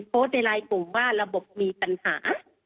โปสเราย์ไลน์ผมว่าระบบมีปัญหา